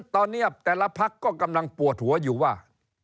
ตอนนี้แต่ละพักก็กำลังปวดหัวอยู่ว่า